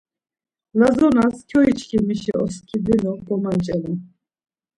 Lazonas kyoiçkimişi oskidinu gomanç̌elen.